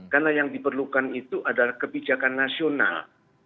karena yang diperlukan itu adalah kebijakan nasional